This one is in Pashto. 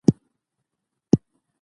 تیرې کړي دي.